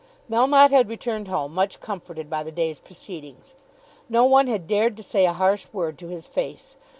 Melmotte had returned home much comforted by the day's proceedings. No one had dared to say a harsh word to his face.